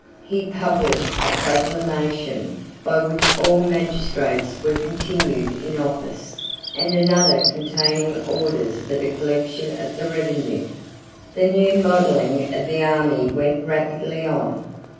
He published a proclamation by which all magistrates were continued in office, and another containing orders for the collection of the revenue. The new modelling of the army went rapidly on.